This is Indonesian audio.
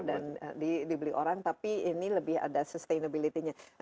dan dibeli orang tapi ini lebih ada sustainability nya